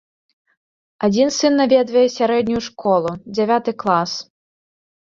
Адзін сын наведвае сярэднюю школу, дзявяты клас.